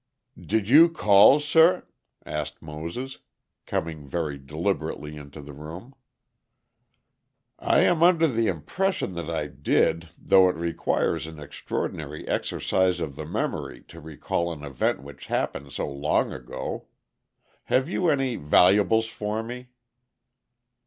"Did you call, sah?" asked Moses, coming very deliberately into the room. "I am under the impression that I did, though it requires an extraordinary exercise of the memory to recall an event which happened so long ago. Have you any 'vallables' for me?"